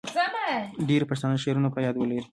ډیری پښتانه شعرونه په یاد لري.